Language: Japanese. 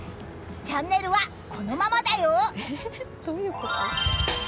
チャンネルはこのままだよ！